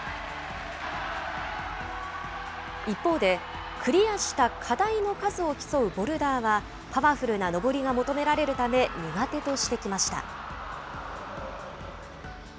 一方で、クリアした課題の数を競うボルダーは、パワフルな登りが求められるため、苦手としてきました。